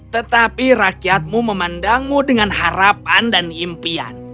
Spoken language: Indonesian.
tetapi rakyatmu memandangmu dengan harapan dan impian